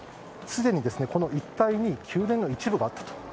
すでに一帯に宮殿の一部があったと。